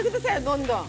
どんどん。